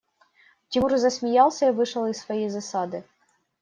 Тимур засмеялся и вышел из своей засады.